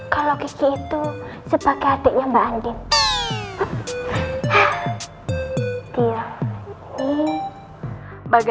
kamu mau energi dong